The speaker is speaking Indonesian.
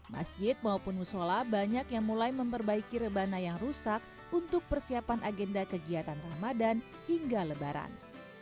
masjid maupun musola banyak yang mulai memperbaiki rebana yang rusak untuk persiapan agenda kegiatan ramadan hingga lebaran